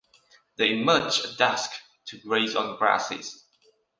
They emerge at dusk to graze on grasses.